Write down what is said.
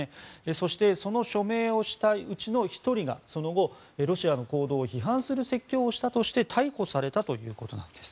そして、その署名をしたうちの１人がその後、ロシアの行動を批判する説教をしたとして逮捕されたということです。